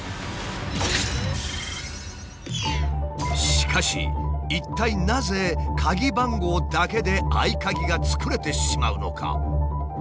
しかし一体なぜ鍵番号だけで合鍵が作れてしまうのか？